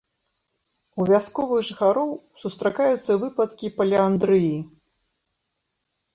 У вясковых жыхароў сустракаюцца выпадкі паліандрыі.